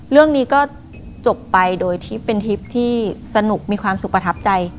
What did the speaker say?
เรื่องนี้ก็จบไปโดยทริปเป็นทริปที่สนุกมีความสุขประทับใจ